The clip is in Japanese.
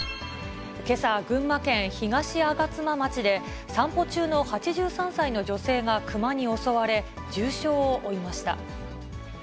けさ、群馬県東吾妻町で散歩中の８３歳の女性がクマに襲われ、重傷を負いました。